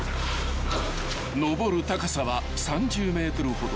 ［登る高さは３０ｍほど］